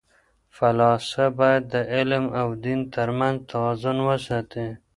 فلاسفه باید د علم او دین ترمنځ توازن وساتي.